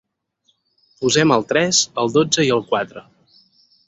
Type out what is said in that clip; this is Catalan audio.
Posem el tres, el dotze i el quatre.